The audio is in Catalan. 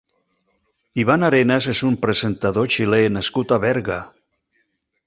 Iván Arenas és un presentador xilè nascut a Berga.